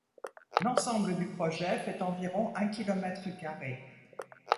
L’ensemble du projet fait environ un kilomètre carré.